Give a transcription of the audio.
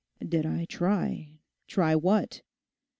'Did I try? Try what?